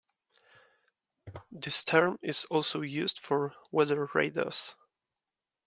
This term is also used for weather radars.